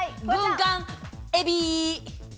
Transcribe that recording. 軍艦エビ。